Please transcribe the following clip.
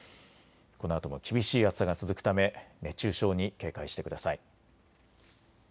このあとも厳しい暑さが続くため熱中症に警戒してください。